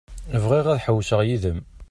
Bɣiɣ ad ḥewwseɣ yid-m.